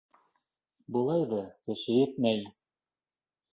Былай ҙа кеше етмәй...